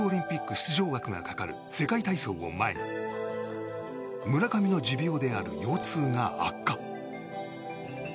出場枠がかかる世界体操を前に村上の持病である腰痛が悪化。